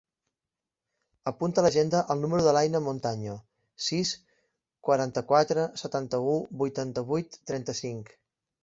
Apunta a l'agenda el número de l'Aina Montaño: sis, quaranta-quatre, setanta-u, vuitanta-vuit, trenta-cinc.